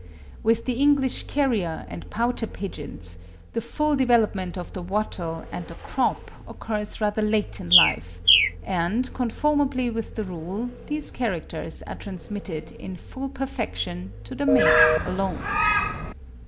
With the English Carrier and Pouter pigeons, the full development of the wattle and the crop occurs rather late in life, and conformably with the rule, these characters are transmitted in full perfection to the males alone.